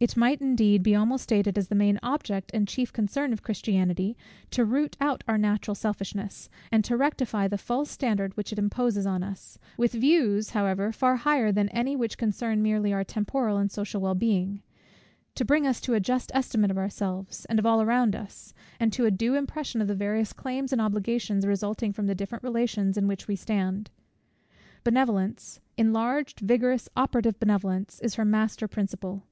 It might indeed, be almost stated as the main object and chief concern of Christianity, to root out our natural selfishness, and to rectify the false standard which it imposes on us; with views, however, far higher than any which concern merely our temporal and social well being; to bring us to a just estimate of ourselves, and of all around us, and to a due impression of the various claims and obligations resulting from the different relations in which we stand. Benevolence, enlarged, vigorous, operative benevolence, is her master principle.